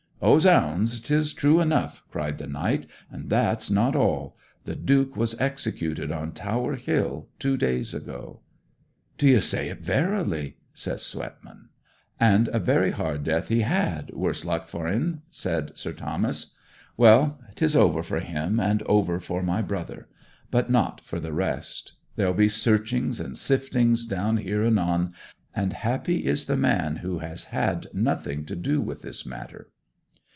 'O zounds! 'tis true enough,' cried the knight, 'and that's not all. The Duke was executed on Tower Hill two days ago.' 'D'ye say it verily?' says Swetman. 'And a very hard death he had, worse luck for 'n,' said Sir Thomas. 'Well, 'tis over for him and over for my brother. But not for the rest. There'll be searchings and siftings down here anon; and happy is the man who has had nothing to do with this matter!'